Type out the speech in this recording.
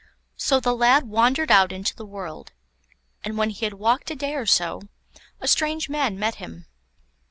So the lad wandered out into the world, and when he had walked a day or so, a strange man met him.